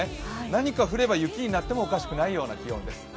何か降れば雪になってもおかしくない気温です。